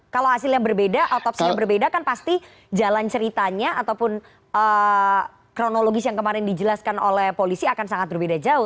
kalau hasilnya berbeda otopsinya berbeda kan pasti jalan ceritanya ataupun kronologis yang kemarin dijelaskan oleh polisi akan sangat berbeda jauh